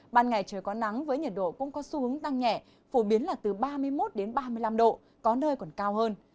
ban ngày trời có nắng với nhiệt độ cũng có xu hướng tăng nhẹ phổ biến là từ ba mươi một đến ba mươi năm độ có nơi còn cao hơn